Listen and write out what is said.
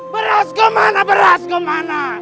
berasku mana berasku mana